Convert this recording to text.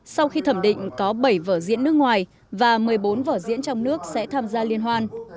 sau khi thẩm định có bảy vở diễn nước ngoài và một mươi bốn vở diễn trong nước sẽ tham gia liên hoan